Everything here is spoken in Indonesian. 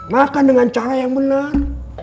makan dengan cara yang benar